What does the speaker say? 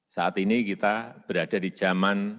saat ini kita berada di zaman